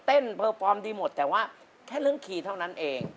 เพอร์ฟอร์มดีหมดแต่ว่าแค่เรื่องคีย์เท่านั้นเอง